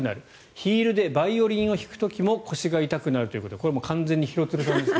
ヒールでバイオリンを弾く時も腰が痛くなるということでこれは完全に廣津留さんですね。